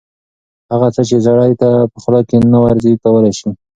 هغه څه چې سړي ته په خوله نه ورځي کولی شي